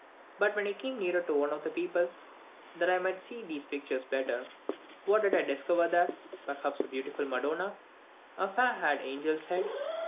But, when I came nearer to one of the people, that I might see these pictures better, what did I discover there? Perhaps a beautiful Madonna! a fair haired angel's head!